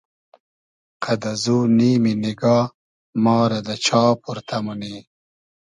قئد ازو نیمی نیگا ما رۂ دۂ چا پۉرتۂ مونی